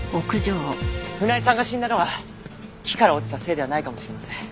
船井さんが死んだのは木から落ちたせいではないかもしれません。